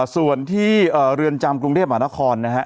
ส่วนที่เรือนจำกรุงเทพหมานครนะฮะ